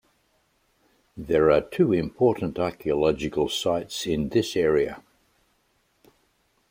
There are two important archaeological sites in this area.